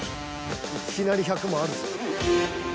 いきなり１００万あるぞ。